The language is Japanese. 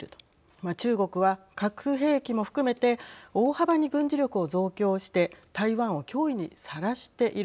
まあ、中国は核兵器も含めて大幅に軍事力を増強して台湾を脅威にさらしている